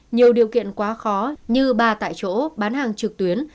nhiều điều kiện quá khó như ba tại chỗ bán hàng trực tuyến